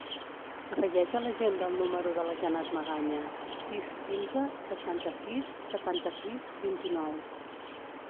Afegeix a l'agenda el número de la Janat Magaña: sis, quinze, seixanta-sis, setanta-sis, vint-i-nou.